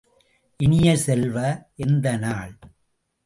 இனிய செல்வ, எந்த நாள்?